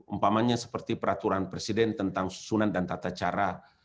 umpamanya seperti peraturan presiden tentang susunan dan tata cara